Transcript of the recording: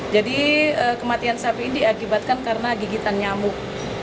jadi kematian sapi ini diakibatkan karena gigitan nyamuk